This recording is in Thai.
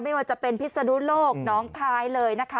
ไม่ว่าจะเป็นพิศนุโลกน้องคายเลยนะคะ